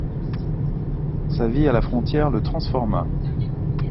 Sa vie à la frontière le transforma.